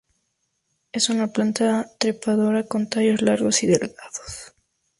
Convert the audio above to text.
Es una planta trepadora, con tallos largos y delgados.